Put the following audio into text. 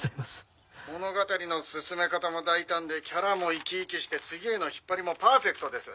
「物語の進め方も大胆でキャラも生き生きして次への引っ張りもパーフェクトです」